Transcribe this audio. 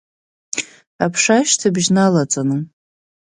Аԥша ашьҭыбжь нылаҵаны…